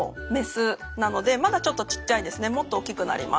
もっと大きくなります。